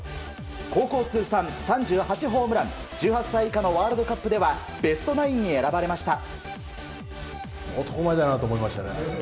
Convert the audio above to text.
高校通算３８ホームラン１８歳以下のワールドカップではベストナインに選ばれました。